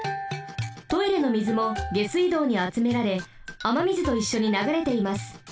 トイレの水も下水道にあつめられあま水といっしょにながれています。